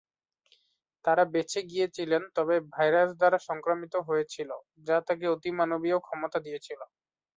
তারা বেঁচে গিয়েছিলেন, তবে ভাইরাস দ্বারা সংক্রামিত হয়েছিল, যা তাকে অতিমানবীয় ক্ষমতা দিয়েছিল।